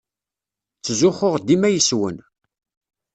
Ttzuxxuɣ dima yes-wen.